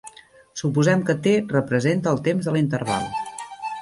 Suposem que T representa el temps de l'interval.